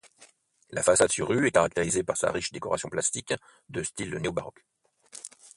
La façade sur rue est caractérisée par sa riche décoration plastique de style néo-baroque.